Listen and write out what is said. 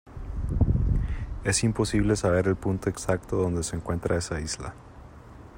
es imposible saber el punto exacto donde se encuentra esa isla.